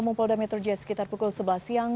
mumpolda metro js sekitar pukul sebelas siang